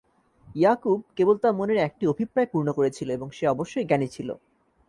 ইয়াকূব কেবল তার মনের একটি অভিপ্রায় পূর্ণ করেছিল এবং সে অবশ্যই জ্ঞানী ছিল।